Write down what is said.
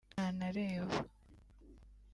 ntanareba